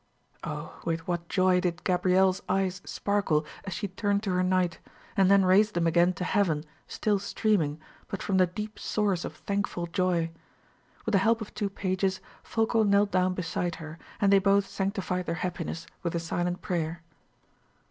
Oh! with what joy did Gabrielle's eyes sparkle, as she turned to her knight, and then raised them again to heaven, still streaming, but from the deep source of thankful joy! With the help of two pages, Folko knelt down beside her, and they both sanctified their happiness with a silent prayer.